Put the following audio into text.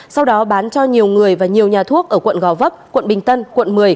sau đó bán cho nhiều người và nhiều nhà thuốc ở quận gò vấp quận bình tân quận một mươi